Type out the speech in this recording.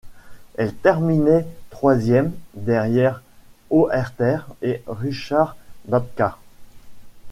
Il terminait troisième, derrière Oerter et Richard Babka.